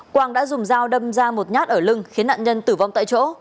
quang đã dùng dao đâm ra một nhát ở lưng khiến nạn nhân tử vong tại chỗ